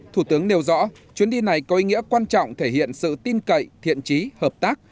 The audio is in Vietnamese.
thủ tướng nêu rõ chuyến đi này có ý nghĩa quan trọng thể hiện sự tin cậy thiện trí hợp tác